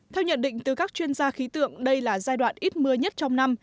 theo nhận định từ các chuyên gia khí tượng đây là giai đoạn ít mưa nhất trong năm